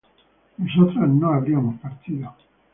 nosotras no habríamos partido